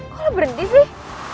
kok lo berhenti sih